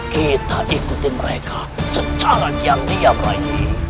kita ikuti mereka secara diam rayi